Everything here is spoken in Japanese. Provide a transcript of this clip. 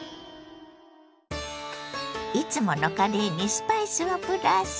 いつものカレーにスパイスをプラス。